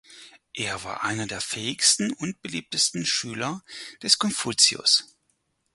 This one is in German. Er war einer der fähigsten und beliebtesten Schüler des Konfuzius.